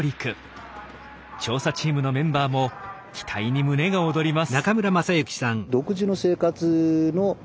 調査チームのメンバーも期待に胸が躍ります。